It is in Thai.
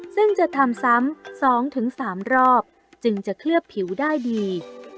ซึ่งจะทำซ้ำสองถึงสามรอบจึงจะเคลือบผิวได้ดี